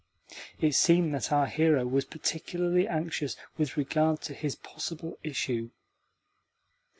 (it seemed that our hero was particularly anxious with regard to his possible issue).